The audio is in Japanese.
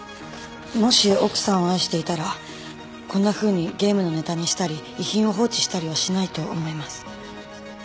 もし奥さんを愛していたらこんなふうにゲームのネタにしたり遺品を放置したりはしないと思います。